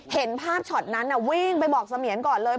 เห็นภาพช็อตนั้นวิ่งไปบอกเสมียนก่อนเลย